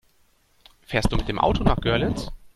Fährst du mit dem Auto nach Görlitz?